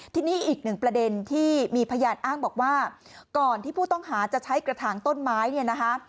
ทีนี้อีกหนึ่งประเด็นที่มีพยานอ้างบอกว่าก่อนที่ผู้ต้องหาจะใช้กระถางต้นไม้เนี่ยนะคะ